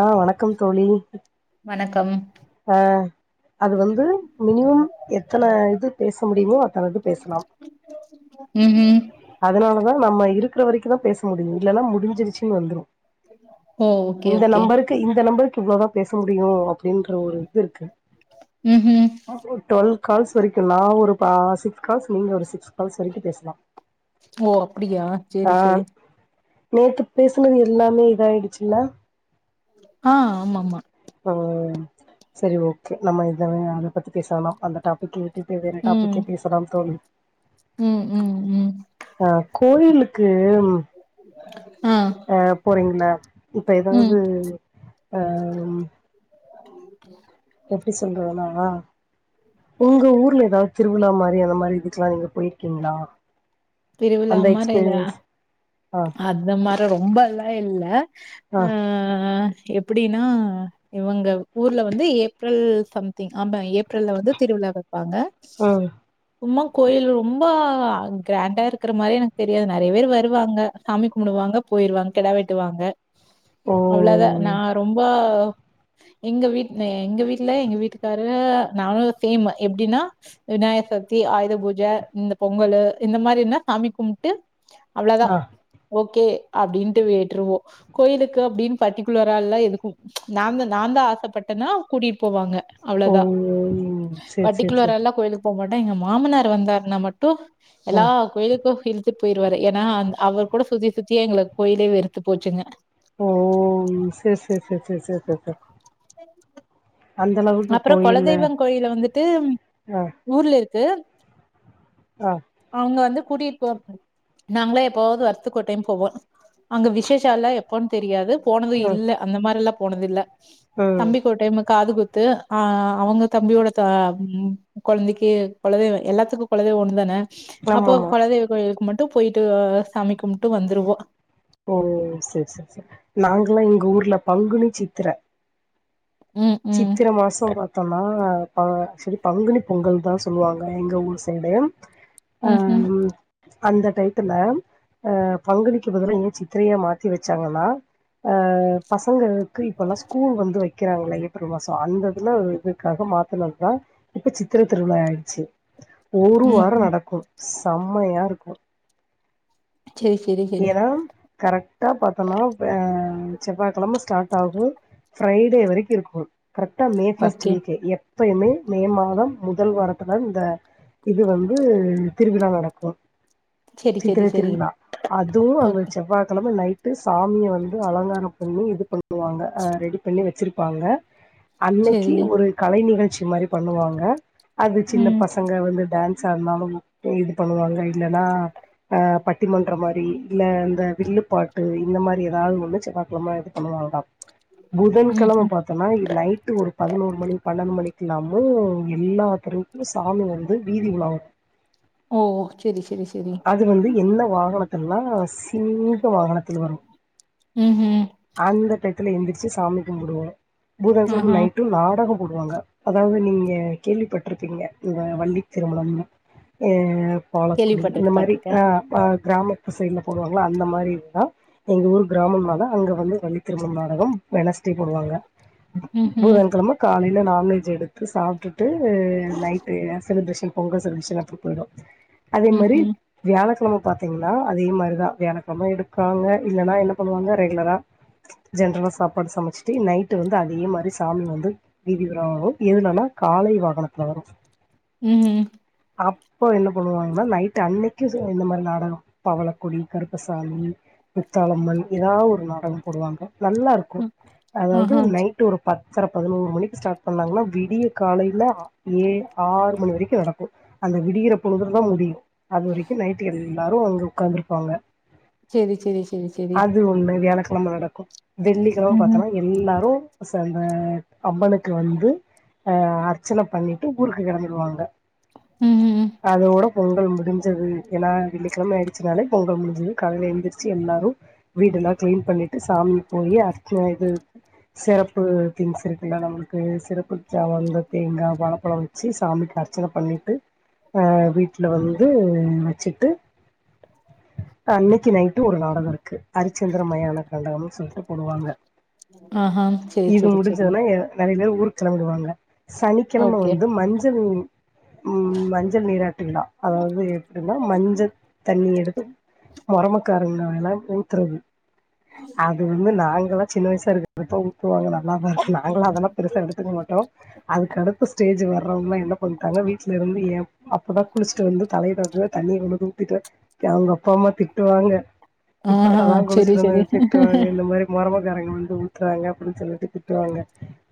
ஆ வணக்கம் தோழி வணக்கம் ஆ அது வந்து மினிமம் எத்தன இது பேச முடியுமோ அத்தன இது பேசலாம் ம் ம் அதனால தா நம்ம இருக்குற வரைக்குந்தா பேச முடியு இல்லன்னா முடிஞ்சிருச்சு வந்துரு ஓ ஓகே இந்த ஓகே நம்பருக்கு இந்த நம்பருக்கு இவ்ளோதா பேச முடியு அப்டின்ற ஒரு இது இருக்கு ம் ம் டுவெல் கால்ஸ் வரைக்கு நா ஒரு பா சிக்ஸ் கால்ஸ் நீங்க ஒரு சிக்ஸ் கால்ஸ் வரைக்கு பேசலா ஓ அப்டியா ஆ செரி செரி நேத்து பேசுனது எல்லாமே இதாயிடுச்சுல்ல அ ஆமா ஆமா அ செரி ஓகே நம்ம இத அத பத்தி பேச வேணா அந்த டாபிக்கே இப்ப வேற ம் டாபிக்கே பேசலாம் தோழி ம் ம் ம் அ கோயிலுக்கு அ அ போறீங்களா இப்ப ம் எதாவது அ ம் உ எப்டி சொல்றதுனா உங்க ஊர்ல எதாவது திருவிழா மாரி அந்த மாரி இதுக்கெல்லா நீங்க போயிருக்கீங்களா திருவிழா அந்த மாரில்லா எக்ஸ்பீரியன்ஸ் ஆ அந்த மாரி ரொம்பல்லா இல்ல ஆ அ எப்டின்னா இவங்க ஊர்ல வந்து ஏப்ரல் சம்திங் ஆமா ஏப்ரல்ல வந்து திருவிழா வப்பாங்க அ சும்மா கோயில் ரொம்ப கிராண்டா இருக்குற மாரி எனக்கு தெரியாது நெறைய பேர் வருவாங்க சாமி கும்பிடுவாங்க போய்டுவாங்க கெடா வெட்டுவாங்க ஓ அவ்ளோதா நா ரொம்ப எங்க வீட் எங்க வீட்ல எங்க வீட்டுக்காரு நானு சேமு எப்டின்னா விநாயகர் சதுத்தி ஆயுத பூஜ இந்த பொங்கலு இந்த மாரினா சாமி கும்ட்டு அவ்ளோதா ஆ ஓகே அப்டின்டு விட்ருவோ கோயிலுக்கு அப்டின் பர்டிகுலரால்லா எதுக்கு நாந்த நாந்தா ஆசப்பட்டேனா கூட்டிகிட்டு போவாங்க ஓ அவ்ளோதா சேரி சேரி சேரி பர்டிகுலரால்ல கோயிலுக்கு போ மாட்டோ எங்க மாமனார் வந்தாருனா மட்டு ஆ எல்லா கோயிலுக்கு இழுத்துட்டு போயிருவாரு ஏனா அந்த அவர் கூட சுத்தி சுத்தியே எங்களுக்கு கோயிலே வெறுத்து போச்சுங்க ஓ செர் செர் செர் செர் செர் செர் செர் அப்பறோ கோயில்ல குலதெய்வோ கோயில்ல வந்துட்டு ஆ ஊர்ல இருக்கு அ அவுங்க வந்து கூட்டிட்டு போ நாங்களே எப்போவாது வர்ஷத்துக்கு ஒரு டைம் போவோ அங்க விஷேசோல்லா எப்போனு தெரியாது போனது ம் இல்ல அந்த மாரில்லா போனது இல்ல ம் தம்பிக்கு ஒரு டைம் காதுகுத் து அ அவுங்க தம்பியோட த ம் ககொழந்தைக்கு கொலதெய்வம் எல்லாத்துக்கும் கொலதெய்வம் ஒண்ணு தானே அப்போ ஆமாமா கொலதெய்வ கோயிலுக்கு மட்டு போயிட்டு சாமி கும்ட்டு வந்துருவோ ஓ சரி சரி சரி நாங்கல்லா எங்க ஊர்ல பங்குனி சித்தர ம் ம் சித்தர மாசம் பாத்தோம்னா அ ஆக்சுவலி பங்குனி பொங்கல் தா சொல்லுவாங்க எங்க ஊர் சைடு அ ம் அந்த டைத்துல அ பங்குனிக்கு பதில்ல ஏ சித்தரைய மாத்தி வச்சாங்கன்னா அ பசங்களுக்கு இப்போல்லா ஸ்கூல் வந்து வக்கறாங்கல்ல ஒரு மாசம் அந்த இதுல இதுக்காக மாத்னதுதா இப்ப சித்தர திருவிழாவ ஆயிடுச்சு ஒரு ம் வாரம் ம் நடக்கும் செம்மையா இருக்கும் செரி செரி ஏன்னா கரெக்டா பாத்தோம்னா செவ்வாகெழம ஸ்டார்ட் ஆகு ஃபிரைடே வரைக்கு இருக்கும் கரெக்டா மே பர்ஸ்ட் ஓகே வீக் எப்பயுமே மே மாதம் முதல் வாரத்துல இந்த இது வந்து திருவிழா நடக்கும் செரி செரி செரி அதுவு அவங்க ஓகே செவ்வாகழம நைட் டு சாமிய வந்து அலங்காரம் பண்ணி இது பண்ணுவாங்க அ ரெடி பண்ணி வச்சிருப்பாங்க அன்னைக்கு செரி ஒரு கலை நிகழ்ச்சி மாரி பண்ணுவாங்க அது சின்ன ம் பசங்க வந்து டான்ஸ் வந்தாலும் இது பண்ணுவாங்க இல்லன்னா அ பட்டிமன் ற மாரி இல்ல இந்த வில்லுப்பாட்டு இந்த மாரி ஏதாது ஒன்னு செவ்வாகழம இது பண்ணுவாங்க புதன் ம் கழம ம் பாத்த னா இ நைட்டு ஒரு பதினோரு மணி பன்னெண்டு மணிக்குலாமு எல்லாத்தரு சாமி வந்து வீதி உலா வரும் ஓ சேரி சேரி சேரி அது வந்து எந்த வாகனத்துலன்னா சிங்க வாகனத்துல வரும் ம் ம் அந்த டயத்துல எந்திரிச்சு சாமி கும்பிடுவோ புதன் கெழம ஆஹா நைட்டும் நாடகம் போடுவாங்க அதாவது நீங்க கேள்விப்பட்டிருப்பீங்க இந்த வள்ளி திருமணம்னு அ பாலக்குடி கேள்விப்பட்ருக்க இந்த மாரி பட்ருக்க ஆ கிராம சைடுல போடுவாங்கள அந்த மாரிதா எங்க ஊர் கிராமம்னால அங்க வந்து வள்ளி திருமண நாடகம் வெனஸ்டே போடுவாங்க ம் ம் புதன்கழம காலேல நான்வெஜ் எடுத்து சாப்ட்டு to night celebration Pongal celebration அப்டி போயிடும் அதே ம் ம் மாரி வியாழக்கழம பாத்தீங்க னா அதேமாரிதா வியாழக்கிழம எடுக்காங்க இல்லன்னா என்ன பண்ணுவாங்க ரெகுலரா ஜென்ரலா சாப்பாடு சமச்சுட்டு நைட்டு வந்து அதே மாரி சாமி வந்து வீதிஉலாவரும் எதுலன்னா காளை வாகனத்துல வரும் ம் ம் அப்போ என்ன பண்ணுவாங்கன்னா நைட் அன்னைக்கு இந்த மாரி நாடகம் பவளக்கொடி கருப்பசாமி முத்தாலம்மன் ஏதாவது ஒரு நாடகம் போடுவாங்க நல்லா இருக்கும் ம் அதாவது ஆஹா நைட் ஒரு பத்தர பதினோரு மணிக்கு ஸ்டார்ட் பண்ணாங்கன்னா விடிய காலையில ஏ ஆறு மணி வரைக்கு நடக்கும் அந்த விடியற பொழுதுலதா முடியும் அது வரைக்கும் நைட்டு எல்லாரும் அங்க ஓக்காந்துருப்பாங்க சேரி சேரி சேரி சேரி வியாழக்கழம நடக்கும் வெள்ளிக்கழம ம் பாத்தனா ம் எல்லாரு சந்த அம்மனுக்கு வந்து ஆ அர்ச்சன பண்ணிட்டு ஊருக்கு கெளம்பிடுவாங்க ம் ம் அதோட பொங்கல் முடிஞ்சது ஏன்னா வெள்ளிக்கெழம ஆயிடு ச்சுனாலே பொங்கல் முடிஞ்சது காலைல எழுந்திருச்சு எல்லாரு வீடுல்லா கிளீன் பண்ணிட்டு சாமி போய் அர்ச்சன இது சிறப்பு திங்ஸ் இருக்குல்ல நம்மளுக்கு சிறப்பு தாவந்த தேங்கா வாழப்பழோ வச்சு சாமிக்கு அர்ச்சன பண்ணிட்டு ஆ வீட்ல் வந்து வச்சுட்டு அன்னைக்கு நைட்டு ஒரு நாடகோ இருக்கு அரிச்சந்திர மயான காண்டம்னு சொல்ட்டு போடுவாங்க ஆஹா சேரி இது சேரி சேரி முடிஞ்சோன்னே நெறய பேரு ஊருக் கு கெளம்பிடுவாங்க சனிக்கெழம ஓகே வந்து மஞ்சள் ம் மஞ்சள் நீராட்டு விழா அதாவுது எப்டீனா மஞ்ச தண்ணி எடுத்து மொரமக்காரங்க மேல ஊத்துறது அது வந்து நாங்களா சின்ன வயசா இருக்கிறப்ப ஊத் துவாங்க நல்லா தா இருக்கு நாங்களா அதெல்லா பெருசா எடுத்துக்க மாட்டோ அதுக்கடுத்து ஸ்டேஜ் வர்றவங்ளா என்ன பண்ட்டாங்க வீட்ல இருந்து ஏம் அப்பதா குளிச்ட்டு வந்து தலைய தொவட்டுவே தண்ணிய கொண்டு வந்து ஊத்திட்டு கெளம்புறப்ப அம்மா திட்டுவாங்க ஆஹா இப்பதா சேரி குளிச்சுட்டு வந்தே சேரி திட்டு வாங்க இந்த மாரி மொறமக்காரங்க வந்து ஊத்றாங்க அப்டின்னு சொல்லிட்டு திட்டுவாங்க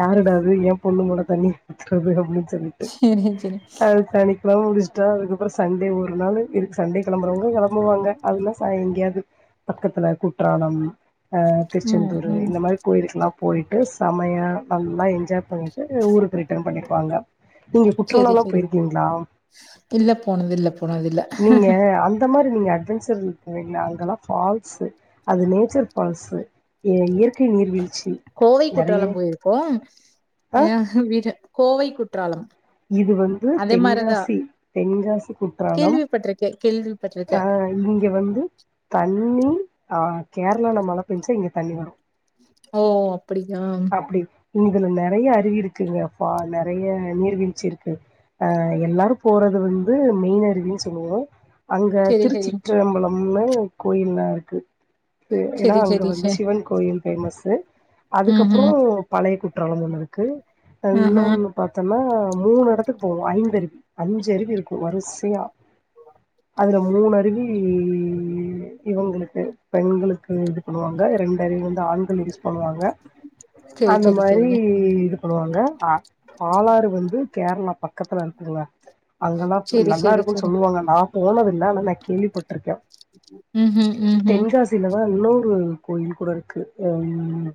யாருடா அது ஏ பொண்ணு மேல தண்ணி ஊத்துறது அப்டினு சொல்லி சேரி சேரி அது சனிக்கெழம முடிச்ட்டா அதுக்கப்றோ சண்டே ஒரு நாளு இருக் சண்டே கெளம்புறவங்க கெளம்புவாங்க அப்டில்ல சாய் எங்கேயாவுது பக்கத்துல குற்றாலம் அ ம் திருச்செந்தூர் ம் இந்த மாரி கோயிலுக்குலா போய்ட்டு செமயா நல்லா எஞ்சாய் போய்ட்டு ஊருக்கு ரிட்டன் பண்ணிடுவாங்க நீங்க சேரி குற்றாலலா சேரி போயிருக்கீங்ளா இல்ல போனதில்ல போனதில்ல நீங்க அங் அந்த மாரி நீங்க அட்வெஞ்சர் இருக்குலைங்ளா அங்கெல்லா ஃபால்ஸு அது நேச்சர் ஃபால்ஸு எங்க இயற்கை நீர் வீழ்ச்சி கோவை குற்றாலம் போயிருக்கோ ஆ வீட்ல கோவை குற்றாலம் இது வந்து அதே மாரிதா தெங்காசி தென்காசி குற்றாலம் பட்ருக்கே கேள்வி பட்ரு ஆ இங்க வந்து தண்ணி ஆ கேர்ளால மழ பேஞ்சா இங்க தண்ணி வரு ஓ அப்புடிங்ளா அப்டி இதுல நெறய அருவி இருக்குங்க ஃபா நெறய நீர்வீழ்ச்சி இருக்கு அ எல்லாரு போறது வந்து மெயின் அருவின் சொல்லுவோ அங்க சேரி சேரி திருச்சிற்றம்பலம்னு கோயில்லா இருக்கு ஏன்னா சேரி அங்க சேரி வந்து சே சிவன் கோயில் பேமஸு ம் அதுக்கப் ம் றோ பழைய குற்றாலம் ஒன்னு இருக்கு ஆஹா இன்னோனு பாத்தோனா மூணு எடத்துக்கு போவோ ஐந்து அருவி அஞ்சு அருவி இருக்கு வரிசையா அதுல மூணருவி இவுங்களுக்கு பெண்களுக்கு இது பண்ணுவாங்க ரெண்டருவி வந்து ஆண்கள் யூஸ் பண்ணுவாங்க சேரி அந்த சேரி மாரி சேரி இதுப் பண்ணுவாங்க பாலாறு வந்து கேர்ளா பக்கத்துல இருக்குங்க அங்கெல்லா சேரி நல்லா சேரி இருக்குன் சேரி சொல்லுவாங்க நா போனது இல்ல ஆனா நா கேள்விப்பட் ம் ம் ம் [unintelligible] ம் தென்காசி இதுலவேற இன்னொரு கோயில் கூட இருக்கு அம்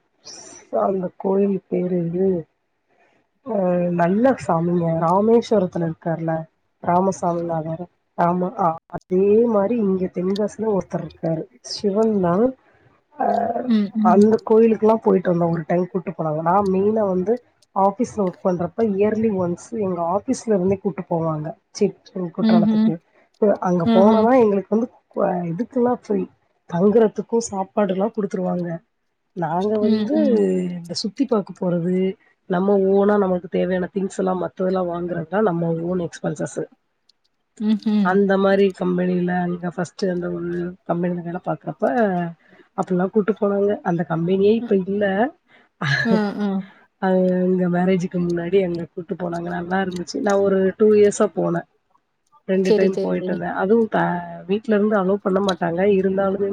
தா அந்த கோயில்லு பேரு வந்து அ நல்ல சாமிங்க ராமேஸ்வரத்துல இருக்கார்ல ராமசாமி நாடாரா ஆமா அ அதே மாரி இங்க தென்காசில ஒருத்தர் இருக்காரு சிவன்தான அ ம் அந்த கோயிலுக்குல்லா போயிட்டு வந்தோ ஒரு டைம் கூட்டு போனாங்க நா மெயினா வந்து ஆஃபீஸ்ல ஒர்க் பண்றப்ப இயர்லி ஒன்சு எங்க ஆஃபீஸ்ல இருந்தே கூட்டு போவாங்க சின் சின் ம் குற்றாலத்துக்கு ம் ல அங்க ம் ம் போனாதா எங்களுக்கு வந்து குவ இதுக்குல்லா ஃப்ரீ தங்குறதுக்கு சாப்பாடுல்லா குடுத்துருவாங்க நாங்க ம் வந்து ம் இந்த சுத்தி பாக்க போறது நம்ம ஓனா நம்மளுக்கு தேவையான திங்ஸ் எல்லாம் மத்ததெல்லா வாங்குறதுதா நம்ம ஓன் எக்ஸ்பென்சஸ்ஸு ம் ம் அந்த மாரி கம்பெனில இங்க ஃப்ஸ்ட்டு அந்த ஒரு கம்பெனில வேல பாக்குறா அப்ப அப்டில்லா கூட்டு போனாங்க அந்த கம்பெனியே இப்ப இல்ல ம் ம் அ எங்க மேரேஜக்கு முன்னாடி அங்க கூட்டு போனாங்க நல்லா இருந்துச்சு நா ஒரு டூ இயர்ஸா போன ரெண்டு செரி டைம் செரி போய்ட்டு செரி வந்த அதுவு ப்ப வீட்ல இருந்து அலோ பண்ண மாட்டாங்க இருந்தாலுமே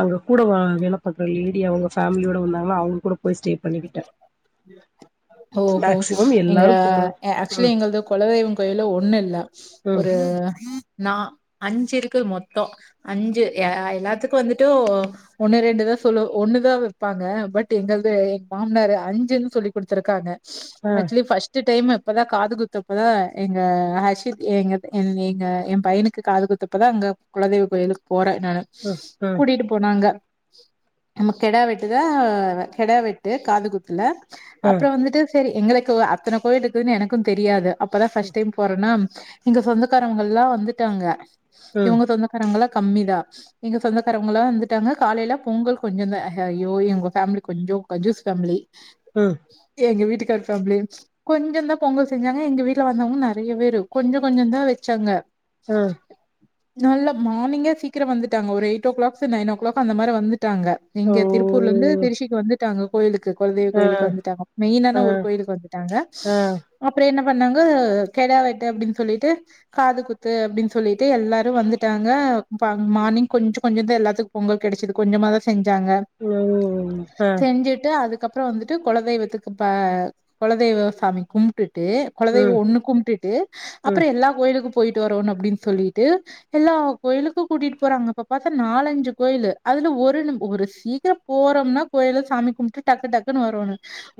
அங்க கூட வ வேல பக்குற லேடி அவுங்க ஃபேமிலியோட வந்தாங்களா அவுங்க கூட போய் ஸ்ட்டே பண்ணிக்கிட்ட ஓஹோ எங்க எல்லாரு போறது ஆக்சுவலி ம் எங்களது குலதெய்வோ கோயில்லு ஒண்ணு இல்ல ம் ஒரு நா அஞ்சு இருக்கு மொத்தோ அஞ்சு எ எல்லாத்துக்கு வந்துட்டு ஒண்ணு ரெண்டுதா சொல்லு ஒண்ணுதா வைப்பாங்க பட் எங்களது மாம்னாரு அஞ்சுன்னு சொல்லி குடுத்துருக்காங்க ஆ ஆக்சுவலி ஃபஸ்ட் டு டைமு அப்பதா காது குத்தப்ப எங்க ஹர்ஷித் எங்க எங்க எங்க எ பையனுக்கு காது குத்த இப்பதா அங்க குலதெய்வ கோயிலுக்கு போறே நானு ம் ம் கூட்டிட்டு போனாங்க நம்ம கெடா வெட்டு தா கெடா வெட்டு காதுகுத்துல அ அப்புறோ வந்துட்டு சேரி எங்களுக்குலா அத்தன கோயில் இருக்குன்னு எனக்கு தெரியாது அப்பதா ஃபர்ஸ்ட் டைம் போறனா எங்க சொந்தக்காரங்கல்லா வந்துட்டாங்க அ இவுங்க சொந்தக்காரங்கல்லா கம்மிதா எங்க சொந்தக்காரவுங்கல்லா வந்துட்டாங்க காலையில பொங்கல் கொஞ்சோ தா ஐயோ இவுங்க ஃபேமிலி கொஞ்சோ கன்ஜூஸ் ஃபேமிலி ம் எங்க வீட்டுக்கார் ஃபேமிலியு கொஞ்சோ தா பொங்கல் செஞ்சாங்க எங்க வீட்ல வந்தவுங்க நறைய பேரு கொஞ்சோ கொஞ்சோ தா வச்சாங்க [inaudible] அ அ நல்ல மார்னிங்கே சீக்கிரோ வந்துட்டாங்க ஒரு eight o'clocks nine o'clock அந்த மாரி வந்து ட்டாங்க ஓ எங்க திருப்பூர்ல இருந்து திருச்சிக்கு வந்துட்டாங்க கோயிலுக்கு குலதெய்வ ஆ கோயிலுக்கு வந்துட்டாங்க ஆ மெயினான ஒரு கோயிலுக்கு வந்துட்டாங்க ஆ அப்புறோ என்ன பண்ணாங்க கெடா வெட்டு அப்டின்னு சொல்லிட்டு காது குத்து அப்டின்னு சொல்லிட்டு எல்லாரு வந்துட்டாங்க மார்னிங் கொஞ்ச கொஞ்ச தா எல்லாத்து பொங்கல் கெடைச்சது கொஞ்சமாதா செஞ்சாங்க ம் அ செஞ்சுட்டு அதுக்கப்புறோ வந்துட்டு குலதெய்வத்துக்கு ப குலதெய்வ சாமி கும்டுட்டு ம் குலதெய்வம் ஒண்ணு கும்டுட்டு ம் அப்பறம் எல்லா கோயிலுக்கு போய்ட்டு வரோனு அப்டின்னு சொல்லிட்டு எல்லா கோயிலுக்கு கூட்டிட்டு போறாங்க அப்ப பாத்தா நாலஞ்சு கோயிலு அதுல ஒரு ஒரு சீக்கிரம் போறோம்னா கோயில்ல சாமி கும்ட்டு டக்கு டக்குன்னு வரோணு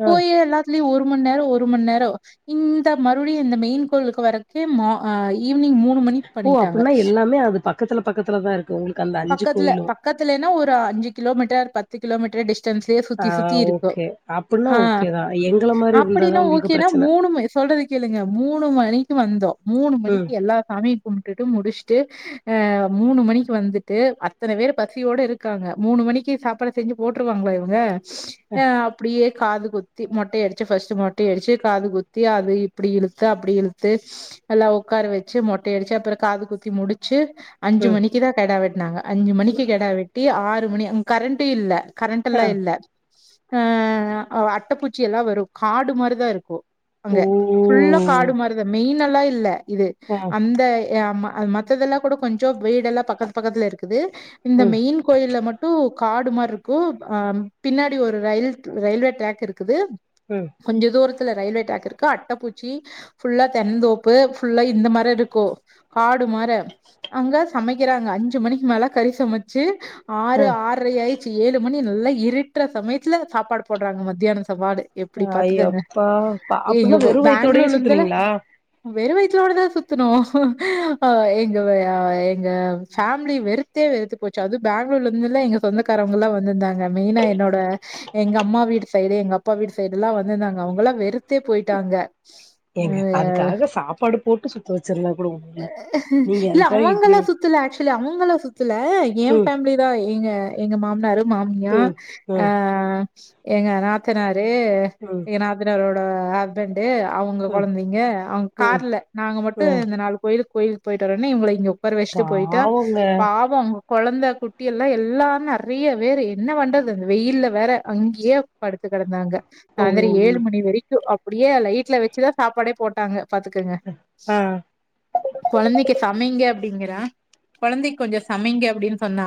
ஆ போயே எல்லா ஒரு மண் நேரம் ஒரு மண் நேரம் இந்த மறுபடியும் இந்த மெயின் கோளுக்கு வர்றதுக்கே ம ஆய் ஈவினிங் மூணு மணிக்கு ஓ பண்ணிட்டாங்க அப்டின்னா எல்லாமே அது பக்கத்துல பக்கத்துல தா இருக்கு உங்களுக்கு அந்த அஞ்சு பக்கத்துல கோயிலு பக் பக்கத்துலன்னா ஒரு அஞ்சு கிலோமீட்டர் பத்து கிலோமீட்டர் டிஷ் அப்டே ஆ சுத்தி சுத்தி இருக்கு ஓகே அப்டின்னா ஆ ஓகே தா எங்கள மாரி அப்டின்னா இருந்தாதா உங்களுக்கு ஓகேனா பிரச்சன மூணுமே சொல்றது கேளுங்க மூணு மணிக்கு வந்தோம் மூணு ம் மணிக்கு எல்லா சாமியும் கும்ட்டுட்டு முடிச்சிட்டு ஆ மூணு மணிக்கு வந்துட்டு அத்தன பேர் பசியோடு இருக்காங்க மூணு மணிக்கே சாப்பாடு செஞ்சு போட்ரு வாங்களா இவங்க அப்டியே காது குத்தி மொட்டை அடிச்சு ஃபர்ஸ்ட் மொட்டை அடிச்சு காது குத்தி அத இப்டி இழுத்து அப்டி இழுத்து நல்லா உக்கார வச்சு மொட்டையடிச்சு அப்புறம் காது குத்தி முடிச்சு அஞ்சு ம் மணிக்கு தான் கிடா வெட்டனாங்க அஞ்சு மணிக்கு கெடா வெட்டி ஆறு மணி கரண்டே இல்ல ஆ கரண்டல்லா இல்ல ஆ அட்டைப்பூச்சி எல்லாம் வரும் காடு மாரிதான் இருக்கும் ஓ அங்க ஃபுல்லா காடு மாதிரி மெயின் எல்லாம் இல்ல இது ம் இந்த அ ம மத்ததெல்லாம் கூட கொஞ்சம் வீடெல்லாம் பக்கத்து பக்கத்துல இருக்குது இந்த ம் மெயின் கோயில்ல மட்டும் காடு மாரி இருக் கு பின்னாடி ஒரு ரயில் ரயில்வே டிராக் இருக்குது ம் கொஞ்ச தூரத்துல ரயில்வே ட்ராக் இருக்கு அட்டப்பூச்சி ஃபுல்லா தென்னந்தோப்பு ஃபுல்லா இந்த மார இருக்கும் காடு மார அங்க சமைக்கிறாங்க அஞ்சு மணிக்கு மேல கறி சமைச்சு ஆ ஆறு ஆறை ஆயிச்சு ஏழு மணி நல்லா இருட்டுற சமயத்துல சாப்பாடு போடுறாங்க மத்தியான சாப்பாடு எப்டி பாத்துக்கோங்க ஐயப்பா அப்ப எ இ அப்டின்னா வெறு வயித்தோடயே பெங்களூர்ல இருந்துல்லா சுத்துனீங்களா வெறும் வயதுலோடதான் சுத்தனோ அ எங்க எங்க ஃபேமிலி வெறு த்தே வெறுத்து போச்சு அது பெங்களூர்ல இருந்து இல்ல எங்க சொந்தக்காரங்க எல்லாம் வந்திருந்தாங்க மெயினா என்னோட எங்க அம்மா வீடு சைடு எங்க அப்பா வீடு சைடு எல்லாம் வந்துருந்தாங்க அவங்கல்லாம் வெறுத்தே போய்ட்டாங்க ஏங்க அதுக்காக சாப்பாடு போட்டு சுத்த வச்சிருந்தா கூட ஒ இல்ல அவங்கல்லாம் சுத்தல ஆக்சுவலி அவங்கல்லாம் சுத்தல ஏன் ம் ஃபேமிலி தான் எங்க எங்க மாமனாரு மாமியா ம் அ ம் எங்க நாத்தனாரு ம் நாத்தநாரோட ஹஸ்பண்ட்டு அவங்க ம் கொழந்தைங்க அவங்க ம் கார்ல நாங்க மட்டும் ம் இந்த நடந் து கோயிலுக் கோயிலுக்கு போயிட்டு வரோன்னு இவங்கள இங்க உக்கார வச்சிட்டு போயிட்டா பாவங்க பாவோம் அவுங் கொழந்த குட்டி எல்லாம் எல்லாம் நெறைய பேரு என்ன பண்றது வெயில்ல வேற அங்கயே படுத்து கெடந்தாங்க ஓ சாய்ந்திரம் ஏழு மணி வரைக்கும் அப்டியே லைட்ல வச்சுதான் சாப்பாடே போட்டாங்க பாத்துக்கோங்க ஆ கொழந்தைக்கு சமைங்க அப்பிடிங்கறா கொழந்தைக்கு கொஞ்சோம் சமைங்க அப்டின்னு சொன்னா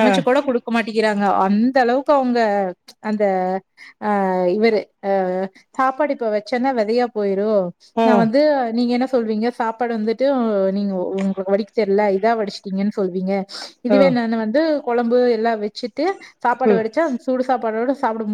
ஆ கூட குடுக்க மாட்டேிக்கிறாங்க அந்த அளவுக்கு அவங்க அந்த ஆ இவரு ஆ சாப்பாடு இப்ப வச்சேன்னா வெதயா போய்ரும் ஆ நான் வந்து நீங்க என்ன சொல்வீங்க சாப்பாடு வந்துட்டு நீங்க உங்களுக்கு வடிக்க தெர்ல இதா வடிச்சுட்டீங்கன்னு சொல்வீங்க ஆ இதுவே நானு வந்து கொழம்பு எல்லாம் வச்சுட்டு ம் சாப்பாடு வடிச்சா சுடு சாப்பாடோட சாப்பிடும்போ